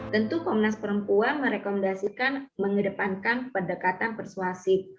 tentu komnas perempuan merekomendasikan mengedepankan pendekatan persuasif